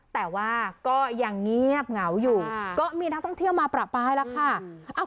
แต่ว่าก็ยังเงียบเหงาอยู่ก็มีนักท่องเที่ยวมาประปายแล้วค่ะ